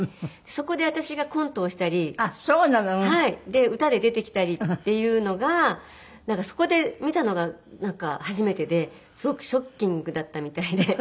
で歌で出てきたりっていうのがなんかそこで見たのが初めてですごくショッキングだったみたいで。